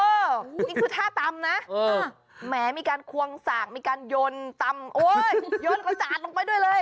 นี่คือท่าตำนะแหมมีการควงสากมีการโยนตำโยนกระจาดลงไปด้วยเลย